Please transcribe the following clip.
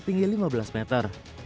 tengah setinggi lima belas meter